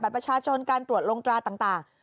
ประชาชนการตรวจลงตราต่าง